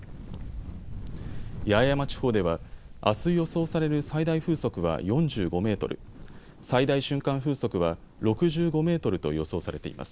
八重山地方ではあす予想される最大風速は４５メートル、最大瞬間風速は６５メートルと予想されています。